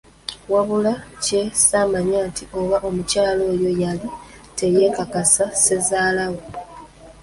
Wabula kye ssaamanya nti oba omukyala oyo yali teyeekakasa Ssezaalawe!